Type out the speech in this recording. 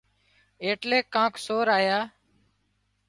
ايٽليڪ ڪانڪ سور آيا